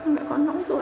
mẹ con nóng rồi